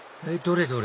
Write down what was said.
どれ？